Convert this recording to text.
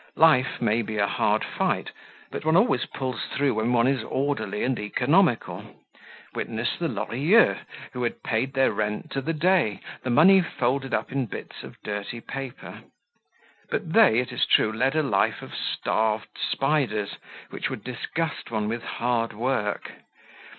Life may be a hard fight, but one always pulls through when one is orderly and economical—witness the Lorilleuxs, who paid their rent to the day, the money folded up in bits of dirty paper. But they, it is true, led a life of starved spiders, which would disgust one with hard work.